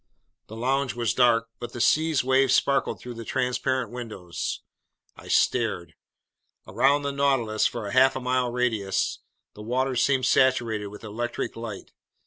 The lounge was dark, but the sea's waves sparkled through the transparent windows. I stared. Around the Nautilus for a half mile radius, the waters seemed saturated with electric light.